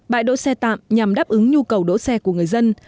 bãi đỗ xe tạm nhằm đáp ứng nhu cầu đỗ xe của người dân